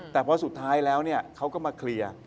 แต่พอสุดท้ายแล้วเขาก็มาเคลียร์